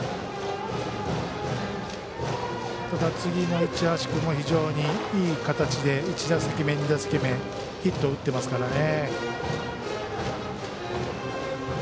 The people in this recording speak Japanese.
次の市橋君も非常にいい形で１打席目、２打席目ヒットを打っていますからね。